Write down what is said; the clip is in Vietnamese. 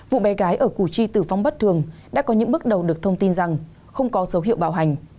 vụ bé gái ở củ chi tử vong bất thường đã có những bước đầu được thông tin rằng không có dấu hiệu bạo hành